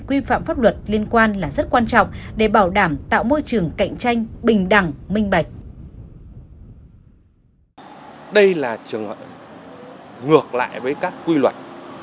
quy phạm pháp luật và các văn bản pháp luật